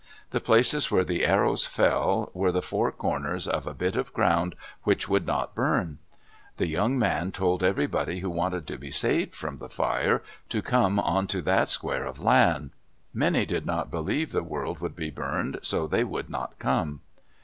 The places where the arrows fell were the four corners of a bit of ground which would not burn. The young man told everybody who wanted to be saved from the fire to come onto that square of land. Many did not believe the world would be burned, so they would not come.